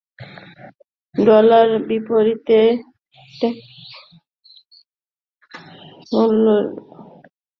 ডলারের বিপরীতে স্টার্লিংয়ের মূল্যমান মধ্য আশির দশকের তুলনায় অনেক বেশি কমেছে।